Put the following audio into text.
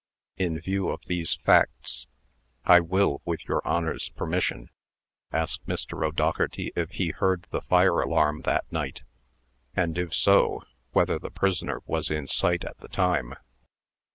In view of these facts, I will, with your Honor's permission, ask Mr. O'Dougherty if he heard the fire alarm that night; and, if so, whether the prisoner was in sight at the time?"